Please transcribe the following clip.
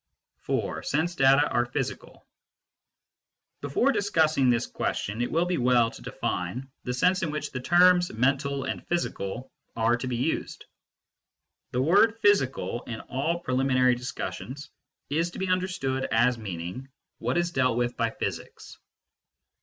IV. SENSE DATA ARE PHYSICAL Before discussing this question it will be well to define the sense in which the terms " mental " and " physical " are to be used. The word " physical," in all preliminary discussions, is to be understood as meaning " what is dealt with by physics."